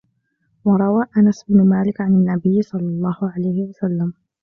وَرَوَى أَنَسُ بْنُ مَالِكٍ عَنْ النَّبِيِّ صَلَّى اللَّهُ عَلَيْهِ وَسَلَّمَ